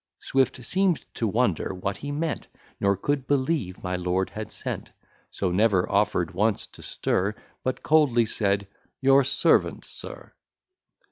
Swift seem'd to wonder what he meant, Nor could believe my lord had sent; So never offer'd once to stir, But coldly said, "Your servant, sir!"